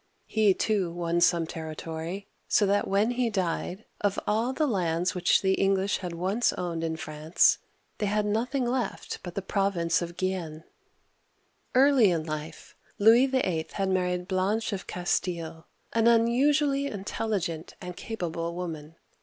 He, too, won some territory, so that when he died, of all the lands which the English had once owned in France, they had nothing left but the province of Guienne (gee en' ; see second map on page 163). Early in life Louis VIIL had married Blanche of Cas tile, an unusually intelligent and capable woman.